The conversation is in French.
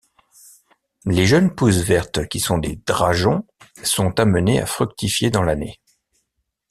Les jeunes pousses vertes qui sont des drageons sont amenées à fructifier dans l'année.